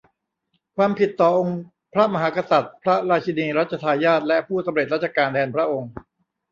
ความผิดต่อองค์พระมหากษัตริย์ พระราชินี รัชทายาท และผู้สำเร็จราชการแทนพระองค์